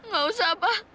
gak usah pak